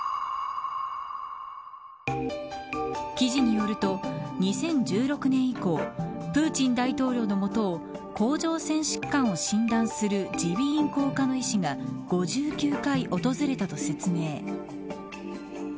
記事によると２０１６年以降プーチン大統領のもとを甲状腺疾患を診断する耳鼻咽喉科の医師が５９回訪れたと説明。